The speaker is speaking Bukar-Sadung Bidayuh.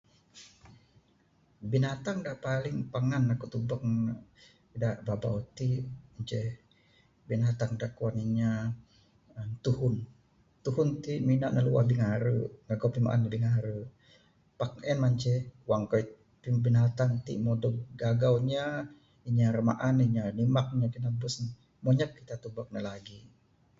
Binatang da paling pangan aku tubek ne da bauh-bauh ti en ceh binatang da kuan inya uhh tuhun...tuhun ti mina ne luah bingare...magau pimaan bingare...pak en mah ceh wang kayuh...binatang ti mbuh dog gagau inya...inya ira maan ne, inya ira nimak ne, ira kinabes ne...mbuh anyap kita tubek ne lagi.